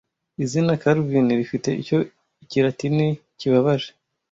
Izina Calvin rifite icyo Ikilatini kibabaje